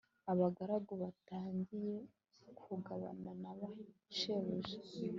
abagaragu batangiye kugabana na ba shebuja